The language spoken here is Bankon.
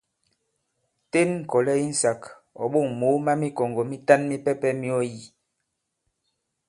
Ten ŋ̀kɔ̀lɛ insāk, ɔ̀ ɓôŋ mǒ ma mikɔ̀ŋgɔ̀ mitan mipɛpɛ̄ mi ɔ yī.